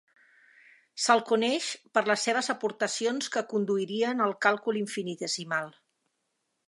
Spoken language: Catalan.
Se'l coneix per les seves aportacions que conduirien al càlcul infinitesimal.